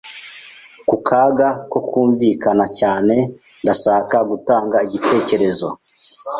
Ku kaga ko kumvikana cyane, ndashaka gutanga igitekerezo.